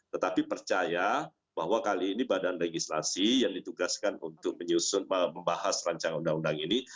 tetapi percaya bahwa kali ini badan legislasi yang ditugaskan untuk menyusun membahas rancangan undang undang ini